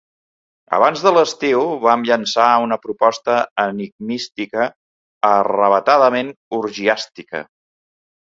Abans de l'estiu vam llençar una proposta enigmística arravatadament orgiàstica.